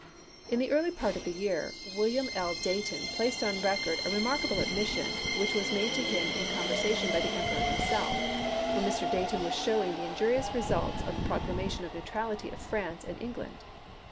In the early part of the year William L. Dayton placed on record a re markable admission which was made to him in conversation by the Emperor himself, when Mr. Dayton was showing the injurious results of the proclamations of neutrality of France and Eng land.